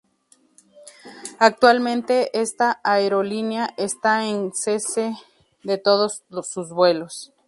Actualmente esta aerolínea está en cese de todos sus vuelos.